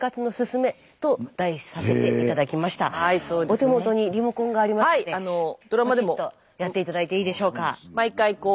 お手元にリモコンがありますのでポチッとやって頂いていいでしょうか？